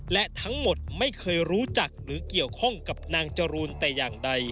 และทั้งหมดไม่เคยรู้จักหรือเกี่ยวข้องกับนางจรูนแต่อย่างใด